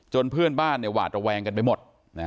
จนเพื่อนบ้านเนี้ยหวาดระแวงกันไปหมดนะฮะ